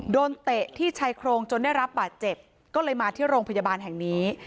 เตะที่ชายโครงจนได้รับบาดเจ็บก็เลยมาที่โรงพยาบาลแห่งนี้